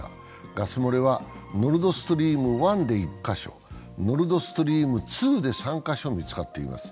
ガス漏れは、ノルドストリーム１で１か所、ノルドストリーム２で３か所見つかっています。